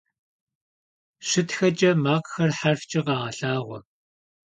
ЩытхэкӀэ макъхэр хьэрфкӀэ къагъэлъагъуэ.